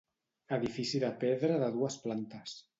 Edifici de pedra de dues plantes.